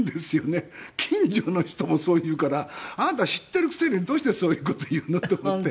近所の人もそう言うからあんた知っているくせにどうしてそういう事言うのと思って。